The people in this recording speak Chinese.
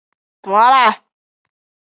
在英国此被称为国际用户拨号。